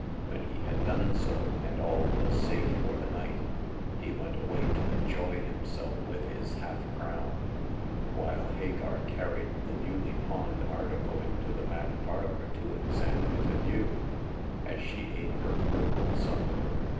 When he had done so, and all was safe for the night, he went away to enjoy himself with his half crown ; 112 Hagar of the Pawn Shop. while Hagar carried the newly pawned article into the back parlor to examine it anew, as she ate her frugal supper.